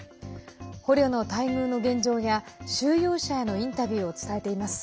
捕虜の待遇の現状や収容者へのインタビューを伝えています。